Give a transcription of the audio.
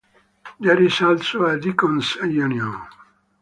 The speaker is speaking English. There is also a Deacon's Union.